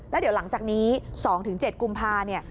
แล้วเดี๋ยวหลังจากนี้๒๗กุมภาเนี่ย